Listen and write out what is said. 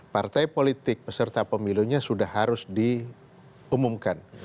partai politik peserta pemilunya sudah harus diumumkan